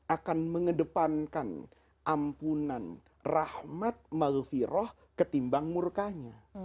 akan mengedepankan ampunan rahmat ma'l firoh ketimbang murkahnya